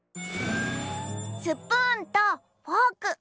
スプーンとフォーク